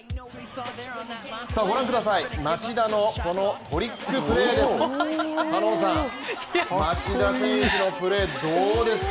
ご覧ください、町田のこのトリックプレーです。